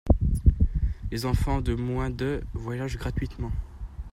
Les enfants de moins de voyagent gratuitement.